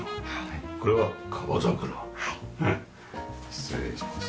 失礼します。